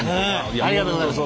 ありがとうございます。